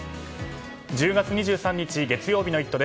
１０月２３日、月曜日の「イット！」